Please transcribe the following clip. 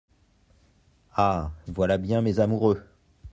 Ah ! voilà bien mes amoureux !